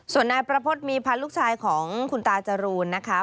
ส่วนนายประพฤติมีพันธ์ลูกชายของคุณตาจรูนนะคะ